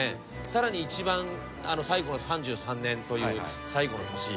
更に一番最後の３３年という最後の年。